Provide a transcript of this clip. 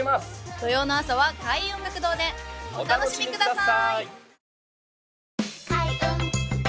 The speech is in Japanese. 土曜の朝は開運音楽堂でお楽しみください